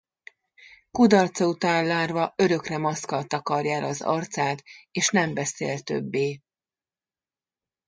Kudarca után Larva örökre maszkkal takarja el az arcát és nem beszél többé.